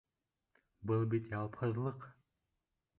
Был бит яуапһыҙлыҡ!